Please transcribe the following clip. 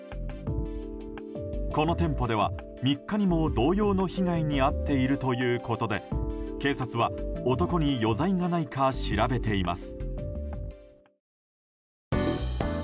この店舗では３日にも同様の被害に遭っているということで警察は、男に余罪がないか調べています。